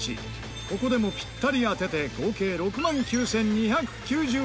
ここでもピッタリ当てて合計６万９２９０円に。